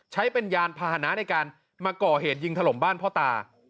ใช้เป็นยานพาหนะในการมาก่อเหตุยิงถล่มบ้านพ่อตา